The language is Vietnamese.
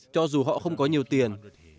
cho dù họ không có nhiều tiền